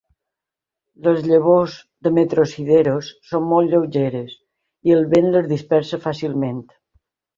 Les llavors de "metrosideros" són molt lleugeres i el vent les dispersa fàcilment.